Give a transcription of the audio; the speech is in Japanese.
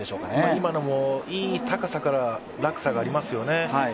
今のもいい高さから落差がありますよね。